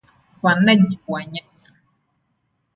Uvunaji wa nyanya